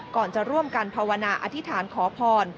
ก่อนจะร่วมกันภาวนาอธิษฐานขอพร